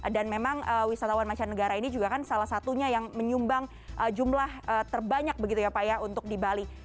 dan memang wisatawan masyarakat negara ini juga kan salah satunya yang menyumbang jumlah terbanyak begitu ya pak ya untuk di bali